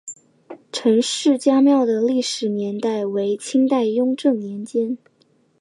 陈氏家庙的历史年代为清代雍正年间。